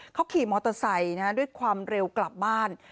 เขาขี่มอเตอร์ไซค์ด้วยความเร็วกลับบ้าน